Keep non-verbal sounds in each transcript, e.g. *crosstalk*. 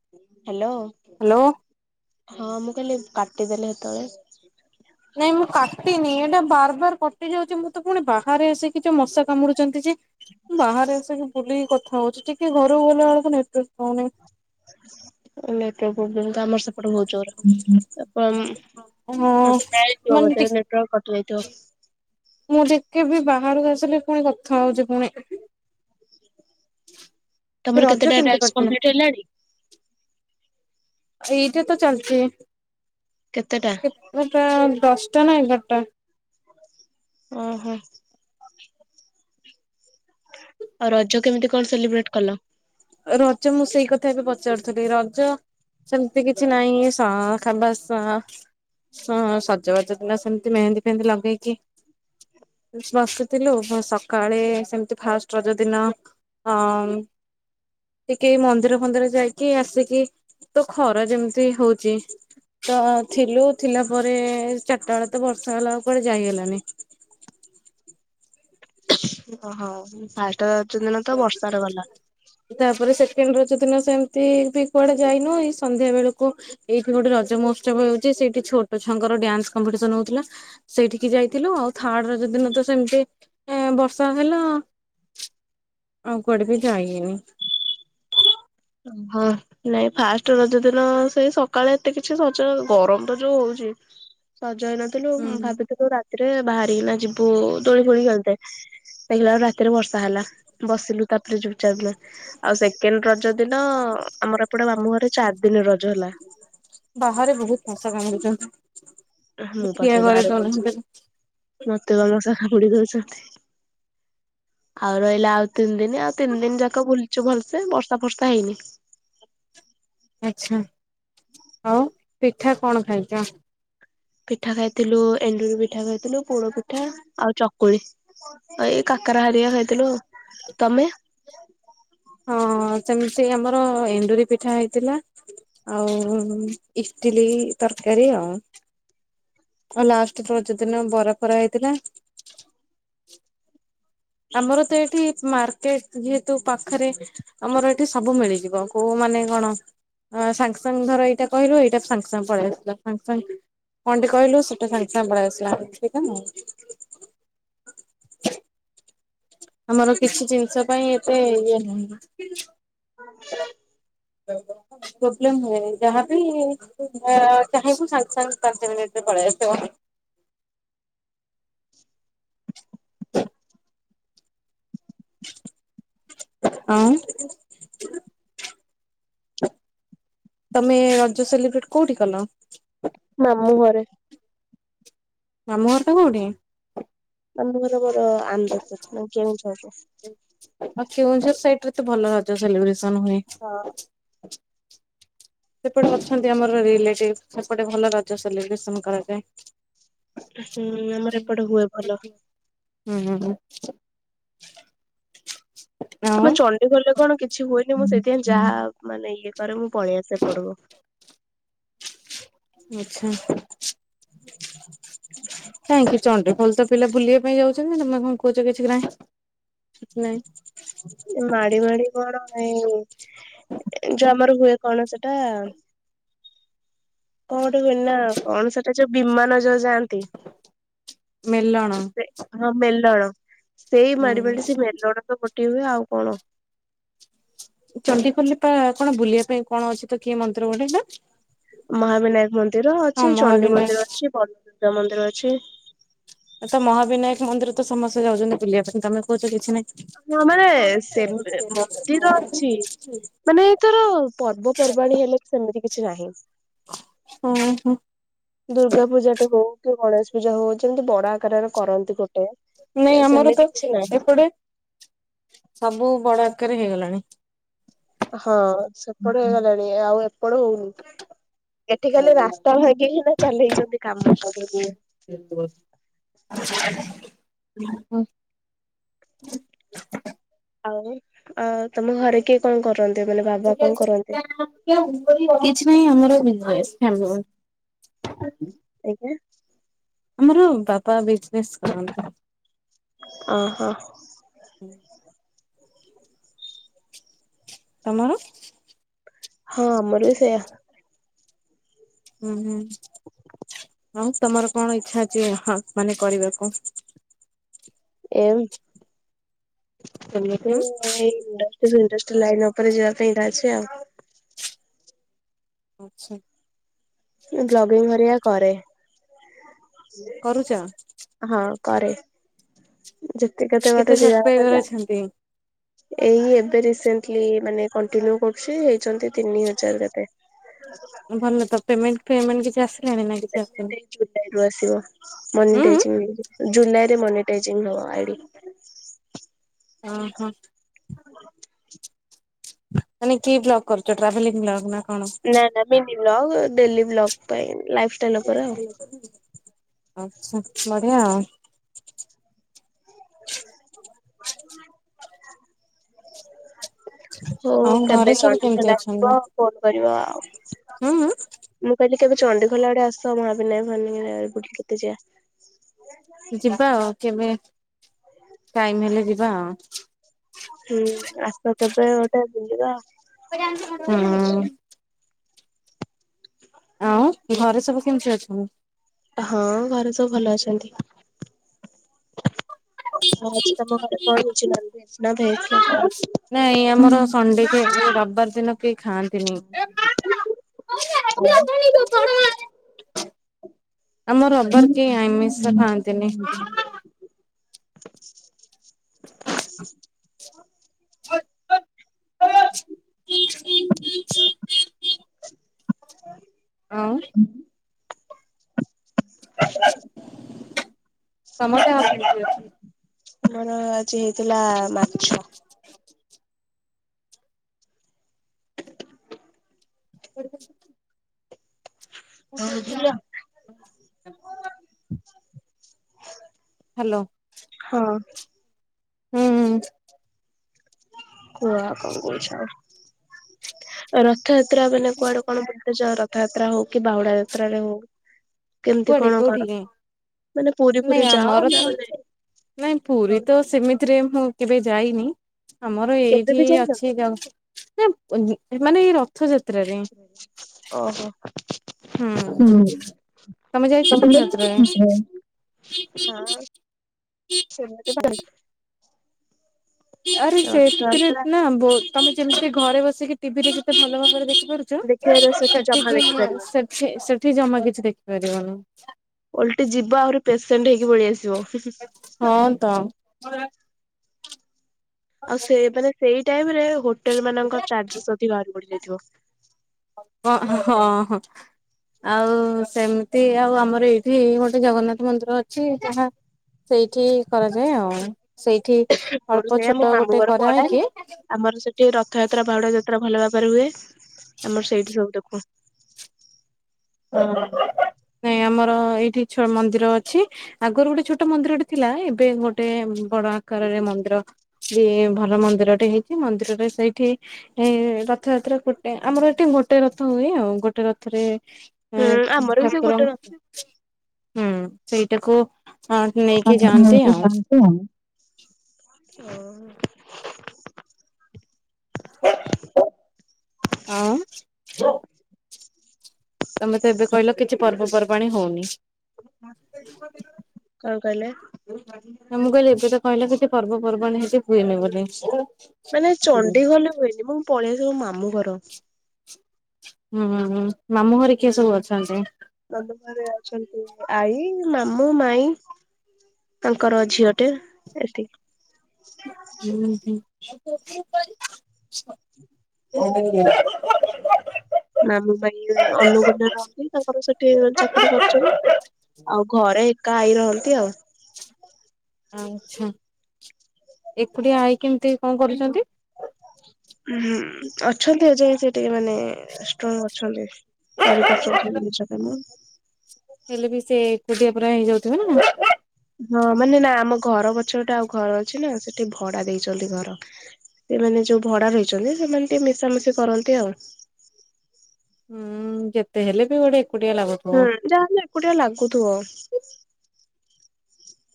*inaudible* Hello hello. ହଁ ମୁ ଖଲି କାଟିଦେଲେ ସେତେବେଳେ। ନାଇଁ ମୁଁ କାଟିନି ଏଇଟା ବାର ବାର କଟି ଯାଉଛି ମୁଁ ତ ପୁଣି ବାହାରେ ଆସିକି ଯୋଉ ମଶା କାମୁଡୁଛନ୍ତି ଯେ। ଲ ବାହାରେ ଆସିକି ବୁଲିକି କ ହଉଛି ଟିକେ ଘକୁ ଗଲେ ବେଳକୁ ନେଟ *unintelligible* ହଁ ମାନେ ଟି *unintelligible* ମୁଁ ଯେତେ ବି ବାହାରକୁ ଆସିଲି ପୁଣି କଥା ହଉଛି ପୁଣି। *inaudible* ତମର ରଜ କେତେଟା କେମିତି ଟ୍ୟାକ୍ସ କଟିଲା? କମ୍ପଲିଟି ହେଲାଣି? ଏଇଟା ତ ଚାଲଛି। କେତେଟା କେତଟା ଦଶ ଦସଟା ନା ଏଗାରା ଟା। ଓହୋ ଆଉ ରଜ କେମିତି କଣ ସେଲିବ୍ରେଟ କଲ? ରଜ ମୁଁ ସେଇ କଥା ଏ ବି ପଚାରୁଥିଲି ରଜ ସେମିତି କିଛି ନାହିଁ ଖବା ଆସ ହଁ ସଜା ବାଜ ଲ ସେମିତି ମେହେନ୍ଦୀ ଫେହେନ୍ଦୀ ଲଗେଇକି ବସିଥିଲୁ ସକାଳେ ସେମିତି ଫାଷ୍ଟ ରଜ ଦିନ ଟିକେ ମନ୍ଦିର ଫନ୍ଦିର ଯାଇକି ଆସିକି ତ ଖରା ଯେମିତି ହଉଛି ତ ଥିଲୁ ଥିଲା ପରେ ଚାରିଟା ବେଳେ ତ ବର୍ଷା ହେଲା କୁଆଡେ ଯାଇହେଲାନି। ଓହୋ ଭ। ତାପରେ ସେକେଣ୍ଡ ର ଦିନ ସେମିତି ବି କୁଆଡେ ଯାଇନୁ ଏଇ ସନ୍ଧ୍ୟା ବେଳକୁ ଏଇଠି ଗୋଟେ ରଜ ମହୋତ୍ସବ ହଉଛି ସେଇଠି ଛୋଟ ଛୁଆଙ୍କର ଡ୍ୟାନ୍ସ କମ୍ପିଟିସନ ହଉଥିଲା ସେଇଠିକି ଯାଇଥିଲୁ ଆଉ ଥାର୍ଡ ରଜ ଦିନ ତ ସେମିତି ବର୍ଷା ହେଲା। ଆଉ କୁଆଡେ ବି ଯାଇନି। ଓହୋ ନାଇଁ ଫାଷ୍ଟ ରଜ ଦିନ ସେଇ ସକାଳେ ଏତେ କିଛି ସଜ ଗରମ ତ ଯୋଉ ହଉଛି। ଯାଇ ନଥିଲୁ ହୁଁ ଭାବିଥିଲୁ ରେ ବାହାରିକିନା ଯିବୁ ଦୋଳି ଫୋଳି ଖେଳତେ ଦେଖିଲା ବେଳେ କୁ ରାତିରେ ବର୍ଷା ହେଲା ବସିଲୁ ତାପରେଚାରିଲୁ ଆଉ ସେକେଣ୍ଡ ରଜ ଦିନ ଆମର ଏପଟେ ମାମୁଁ ଘରେ ଚାରି ଦିନ ରଜ ହେଲା। ବାହାରେ ବହୁତ ମଶା କାମୁୁଡିଛନ୍ତି। ମୁଁ ପା ସେଇ ବାହାରେ ବଇଛି ମତେ ପମ ଖୁଡି କହୁଛନ୍ତି, ଆଉ ରହିଲା ଆଉ ତିନି ଦିନ ଆଉ ତିନି ଦିନ ଯାକ ବୁଲୁଛୁ ଭଲସେ ବର୍ଷାଫର୍ଷା ହେଇନି। ଆଛା ଆଉ ପିଠା କଣ ଖାଇଚ? ପିଠା ଖାଇଥିଲୁ ଏଣ୍ଡୁରି ପିଠା ଖାଇଥିଲୁ ପୋଡ ପିଠା ଆଉ ଚକୁଳି, ଆଉ ଏଇ କାକରା ହେରିକା ଖାଇଥିଲୁ, ତମେ? ହଁଅ-ଅ ସେମିତି ଆମର ଏଣ୍ଡୁରି ପିଠା ହେଇଥିଲା ଆଉ ଇଟିଲି ତରକାରୀ ଆଉ, ଆଉ ଲାଷ୍ଟ୍ ରଜ ଦିନ ବରାଫରା ହେଇଥିଲା। ଆମର ତ ଏଇଠି ମାର୍ କେଟ୍ ଯେହେତୁ ପାଖରେ ଆମର ଏଠି ସବୁ ମିଳିଯିବ କୋଉ ମାନେ କଣ ସାଙ୍ଗେସାଙ୍ଗେ ଧର ଏଇଟା କହିଲୁ ଏଇଟା ସାଙ୍ଗେସାଙ୍ଗେ ପଳେଇ ଆସିଲା ସାଙ୍ଗେସାଙ୍ଗେ କଣଟେ କହିଲୁ ସେଟା ସାଙ୍ଗେସାଙ୍ଗେ ପଳେଇ ଆସିଲା *inaudible* ଆମର କିଛି ଜିନିଷ ପାଇଁ ଏତେ ଇଏ ନାହିଁ। *unintelligible* ପ୍ରୋବଲେମ୍ ହୁଏ ଯାହା ବିି ଚାହିଁବୁ ସାଙ୍ଗେସାଙ୍ଗେ ପାଞ୍ଚ ମିନିଟରେ ପଳେଇ ଆସିବ। ଅଁ ତମେ ରଜ ସେଲିବ୍ରେଟ୍ କୋଉଠି କଲ? ମାମୁଁ ଘରେ ମାମୁଁ ଘରଟା କୋଉଠି? *unintelligible* ଓ ଆନନ୍ଦପୁର, ନାଇଁ? କେଉଁ ଆଉ କେ ଉଁ ଝର ସାଇଟରେ ଏତେ ଭଲ ରଜ ସେଲିବ୍ରେସ୍ ସନ ହୁଏ। *inaudible* ହଁ। ସେପଟେ ଅଛନ୍ତି ଆମର ରିଲେଟିଭ୍ ସେପଟେ ଭଲ ରଜ ସେଲିବ୍ରେସନ୍ କରାଯାଏ। ହୁଁ ଉଁ-ଉଁ ଆମର ଏପଟେ ହୁଏ ଭଲ। ହୁଁ-ହୁଁ-ହୁଁ। ଆମ ଚଣ୍ଡିଖୋଲରେ କଣ କିଛି ହୁଏନି ମୁଁ ସେଥି *inaudible* ଯାଆମାନେ ନା ଇଏ କରେ ମୁଁ ପଳେଇଆସେ ଏପଟକୁ। ଆଛା, କାହିଁକି ଚଣ୍ଡିଖୋଲ ତ ପିଲା ବୁଲିବା ପାଇଁ ଯାଉଛନ୍ତି ତମେ କଣ କହୁଛ କିଛି ନାଇଁ, କିଛି ନାଇଁ। ମାଡି ମାଡି କଣ ପାଇଁ? ଯୋଉ ଆମର ହୁଏ କଣ ସେଟା? କଣ ଗୋଟେ ହୁଏନା କଣ ସେଟା ଯୋଉ ବିମାନ *inaudible* ଯାଆନ୍ତି, ମେଲଣ ସେ ହଁ ମେଲଣ। ସେଇ ମାଡ଼ି ମାଡି ହୁଁ ସେ ମେଲଣର *inaudible* *inaudible* ହୁଏ ଆଉ କଣ? ଚଣ୍ଡିଖୋଲରେ ପା ଆଉକଣ ବୁଲିବା ପାଇଁ କଣ ଅଛି ତ କି ମନ୍ଦିର ଗୋଟେ ନା? ମହାବିନାୟକ ମନ୍ଦିର ହଁ ଅଛି ଚଣ୍ଡୀ ମହାବିନାୟ ମନ୍ଦିର ଅଛି ବନଦୁର୍ଗା ମନ୍ଦିର ଅଛି। ତ ମହାବିନାୟକ ମନ୍ଦିର ତ ସମସ୍ତେ ଯାଉଛନ୍ତି ବୁଲିବା ପାଇଁ ତମେ କହୁଛ କିଛି ନାହିଁ। ହଁ ମାନେ ସେମ୍ ମନ୍ଦିର ଅଛି ମାନେ ଧର ପର୍ବପର୍ବାଣୀ ହେଲେ ସେମିତି କିଛି ନାହିଁ, ଓହୋ ଦୁର୍ଗା ପୂଜାଟେ ହଉ କି ଗଣେଶ୍ ପୂଜା ହଉ ଯେମିତି ବଡ ଆକାରରେ କରନ୍ତି ଗୋଟେ। ନାଇଁ ଆମର ସେମିତି ତ କିଛି ନାହିଁ ଏପଟେ ସବୁ ବଡ ଆକାରରେ ହେଇଗଲାଣି ହଁ ସେପଟେ ହେଇଗଲାଣି ଆଉ ଏପଟେ ହଉନି ଏଠିିକାଲି ରାସ୍ତା ଭାଙ୍ଗି କିନା ଚାଲେଇଛନ୍ତି କାମ *unintelligible* ଆଉ ଆଉ ତମ ଘରେ କିଏ କଣ କରୁ କିଛି ନାହିଁ ଆମର *unintelligible* ଆଜ୍ଞା ଆମର ବାପା ବିଜନେସ୍ କରନ୍ତି ଅହୋ ହୁଁ ତମର ହଁ ମର ସେୟା ହୁଁ ହୁଁ *inaudible* ହଁ ତମର କଣ ଇଚ୍ଛା ଅଛି ହଁ ମାନେ କରିବାକୁ ଏମ *unintelligible* ହୁଁ *unintelligible* ଲାଇନ ଉପରେ ଯିବା ପାଇଁ *unintelligible* ଆଛା ବ୍ଲଗିଙ୍ଗ *unintelligible* କରେ କରୁଛ ହଁ କରେ *unintelligible* ଯିବା କଥା କେତେ ସବସ୍କ୍ରାଇବର ଯାଅ ଅଛନ୍ତି? ଏଇ ଏବେ ରିସେଣ୍ଟ କି ମାନେ କନଟିନିଉ କରୁଛି *unintelligible* ଛନ୍ତି ତିନି ହଜାର କେତେ ଭଲ ତ ପେମେଣ୍ଟ ପେମେଣ୍ଟ କିଛି ଆସି *unintelligible* ହୁଁ ମନିଟାଇଜିଂଗ ହେଇକି ଜୁଲାଇ ରେ ମନିଟାଇଜିଂ ହବ ଆଇଡି ହ ହୋ *inaudible* ମାନେ କି ବ୍ଲଗ କରୁଛ ଟ୍ରାଭେଲିଂ ବ୍ଲଗ ନା କଣ? ନାନା ମିନି ବ୍ଲଗ୍ ଡେଲି ବ୍ଲଗ୍ ପାଇଁ ଲାଇଫ ଷ୍ଟାଇଲ ଉପରେ ଆଉ ଆଚ୍ଛା *inaudible* ହଉ ଆଉ ଘରେ କେବେ ସବୁ ଚଣ୍ଡି କେମିତି ଖୋଲ ଆସିବ ଅଛନ୍ତି? ଫୋନ କରିବ ଆଉ ହୁଁ ହୁଁ ମୁଁ କହିଲି କେବେ ଚଣ୍ଡି ଖୋଲା ଆଡେ ଆସ ସମୟ ବି ନାଇଁ *unintelligible* ବୁଲି କେତେ ଯିବା ଯିବା ଆଉ କେବେ ଟାଇମ ହେଲେ ଯିବା ଆଉ। ହୁଁ ଆସକେବେ ଗୋଟେ ବୁଲିବା ହୁଁ ଆଉ ଘରେ ସବୁ କେମିତି ଅଛନ୍ତି? ହଁ ଘରେ ସବୁ ଭଲ ଅଛନ୍ତି। ହଁ ତମ ଘରେ କଣ ହେଇଛି ନନ୍ଭେଜ ନା ଭେଜ ନା କଣ? ନାଇଁ ଆମର ସଣ୍ଡେ *unintelligible* ରବିବାର ଦିନ କେହି ଖାଆନ୍ତିନି ଆମ ରବବାର୍ କେଇ ଆମିଷ ଖାଆନ୍ତିନି ଆମର ହାଁ *inaudible* *inaudible* ଆଁ ଉଁ *inaudible* ତମ ଟା ଆଉ କେମିତି ଅଛି ଆମର ଆଜି ହେଇ ଲା ମାଛ *inaudible* *unintelligible* ହଉ ଦିଅ *inaudible* ହାଲୋ ହଁ ହୁଁ ଉଁ କୁହ ଆଉ କଣ କଉଛ ରତ୍ ଥଯାତ୍ରା ମାନେ କୁଆଡୁ କଣ ବୁଲିଛ ରତ୍ ତାତ୍ରା ହଉ କି ବାହୁଡା ଯାତ୍ରା ରେ ହଉ କେମିତି କୁଆଡେ କଣ କର କୋଉଠିକି ମାନେ ପୁରୀ ଫୁରୀ ନେଇ ଯାଅ ଆମର ନା ତ ମାନେ ନାଇ ପୁରୀ କଣ ତ ସେମିତିରେ ମୁଁ କେବେ ଯାଇନି ଆମର କେବେ ବି ଏଇଠି ଯାଇନ? ଅଛି *unintelligible* ଇ ମାନେ ର *inaudible* ଅ ହ ହୁଁ ତମେ ଯାଇଛ ରଥଯାତ୍ରାରେ? ଉଁ *inaudible* ଆରେ ସେ ରଥଯାତ୍ରା ଭିତ୍ରେତ୍ ନା ବଉତ୍ ତମେ ଯମେତିରେ ଘରେ ବସିକି ଟିଭି ଦେଖିଛ ଭଲ ଭାବରେ ଦେଖି କରୁଛୁ ଦେଖିବାର ସେଠି ଜମା ସେଠିକିଇଁ ଦେଖିପାରିବନି। ସେଠି ସେଠି ଜମା କିଛି ଦେଖିପାରିବନି ଛାଆ ଓଲଟି ଯିବା ଆଉରି ପେସେଣ୍ଡ୍ ହେଇ ହେତ୍ ହଁ ତ *inaudible* ଆଉ ସେବେନେ ସେଇ ଟାଇମ୍ ଏ ହଟେଲ ମାନଙ୍କର ଚାର୍ଜ ସତି ବାହାରି ପଡି ଯୁ ହଁ ହ ଆଉ ସେମିତି। ଏ ଆଉ ଆମର ଏଇଠି ଗୋଟେ ଜଗନ୍ନାଥ ମନ୍ଦିର ଅଛି ଯାହା ସେଇ। ସେଠି କରାଯାଏ ଆଉ ସେଇଠି ମୋର ଅଳ୍ପ ସେଇଆ ଛୋଟ ଗୋଟେ କରାହଇକ ଟ ରଥଯାତ୍ରା ବାହୁଡା ଯାତ୍ରା ଭଲ ଭାବରେ ହୁଏ ଆମର ସେଇଠି ସବୁ ଦେଖ ନାଇଁ ଆମର ଏଇଠି ମନ୍ଦିର ଅଛି ଆଗରୁ ଗୋଟେ ଛୋଟ ମନ୍ଦିରଟେ ଥିଲା ଏବେ ଗୋଟେ ବଡ ଆକାରରେ ମନ୍ଦିର ବି ଭଲ ମନ୍ଦିରଟେ ହେଇଛି ମନ୍ଦିରରେ ସେଇଠି ଏ ରଥଯାତ୍ରା ଗୋଟେ ଆମର ଏଠି ଗୋଟେ ରଥ ହୁଏ ଆଉ ଗୋଟେ ରଥରେ ଏ ହୁଁ ଆମର ବି ସେ ଠାକୁର ଗୋଟେ ରହତା ହୁଁ ସେଇଟାକୁ ନେଇକି ଶାନ୍ତି ଯାଆନ୍ତି ମଳକ ଆଉ ଜଣତ ହ ଆଁ ହ ତମେ ତ ଏବେ କହିଲ କିଛି ପର୍ବ ପର୍ବ ପାଣ ହଉନି ଗ କଣ କହିଲେ? ତ ମୁଁ କହିଲି ଏବେ ତ କହିଲା କିଛି ପର୍ବ ପର୍ବାଣି ହେଇକି ହୁଏନି ବୋଲି ମାନେ ହୁଁ ଚଣ୍ଡିଗଲେ ହୁଏନି ମୁଁ ପଳେଇଆ ସବୁ ମାମୁ ଘର *inaudible* ହୁଁ ମାମୁଁ ଘରେ କିଏ ସବୁ ଅଛନ୍ତି। ଅଛନ୍ତି ଆଈ ମାମୁ ମାଇ ତାଙ୍କର ଝିଅ ଟେ ଏଠ ହୁଁ ହୁଁ। ଆ ମାମ ଭାଇ ଅନୁଗୁଣ୍ଡା ରହନ୍ତି ତାଙ୍କର ସେଠି ଚାକିରି କରୁଛନ୍ତି ଆଉ ଘରେ ଏକା ଆଈ ରହନ୍ତି ଆଉ। ଆଚ୍ଛା ଏକୁଟିଆ ଆଈ କେମିତି କଣ କରୁଛନ୍ତି। ହ ହୁଁ ଅଛନ୍ତି ଆ ଯ ସେ ଟିକେ ମାନେ ଷ୍ଟ୍ରଙ୍ଗ ଅଛନ୍ତି କରିପାରୁଛନ୍ତି ଜିନିଷ କାମ ହେଲେ ବି ସେ କୋଟିଆ ପୁରରା ହେଇଯାଉଥିବ ନା ହଁ ମାନେ ନା ଆମ ଘର ପଛର ଟା ଆଉ ଘର ଅଛି ନା ସେଠିକେ ଭଡା ଦେଇଛନ୍ତି ଘର ସେମାନେ ଯୋଉ ଭଡା ରହିଛନ୍ତି ସେମାନେ ଟିକେ ମିଶାମିଶି କରନ୍ତି ଆଉ। ହୁଁ ଯେତେ ହେଲେ ବି ଗୋଟେ ଏକୁଟିଆ ଲାଗୁଥିବ। ହୁଁ ଯାହାେଲେ ଏକୁଟିଆ ଲାଗୁଥିବ।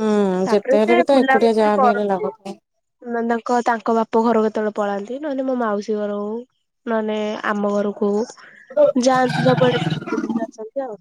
ହୁଁ ତାପରେ ଯେତେ ହେଲେ ସେ ବି ତ ଏକୁଟିଆ ବୁଲାବୁଲି ବି ଯାହା ହେଲେ କରନ୍ତି ଲାଗୁଥିବ। ତାଙ୍କ ତାଙ୍କ ବାପ ଘର କେତେବେଳେ ପଳାନ୍ତି। ତି ନହେଲେ ମୋ ମାଉସୀ ଘର ହୋଉ ନହେଲେ ଆମ ଘରକୁ ହୋଉ। ଯାନ୍ତି ସବୁ ଆଡେ ବୁଲି *unintelligible* ଆସନ୍ତି ଆଉ।